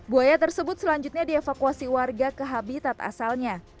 buaya tersebut selanjutnya dievakuasi warga ke habitat asalnya